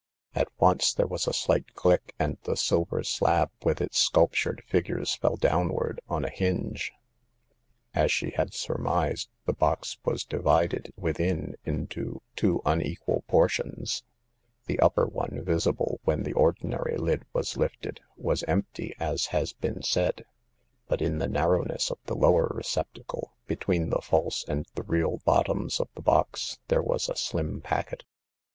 At once there was a slight click, and the silver slab with its sculp tured figures fell downward on a hinge. As she had surmised, the box was divided within into two unequal portions ; the upper one, visible when the ordinary lid was lifted, was empty, as has been said ; but in the narrowness of the lower receptacle, between the false and the real bot toms of the box, there was a slim packet.